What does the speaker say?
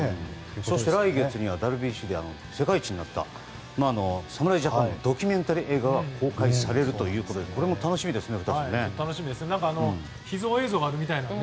そして、来月にはＷＢＣで世界一になった侍ジャパンのドキュメンタリー映画が公開されるということで秘蔵映像があるみたいなので。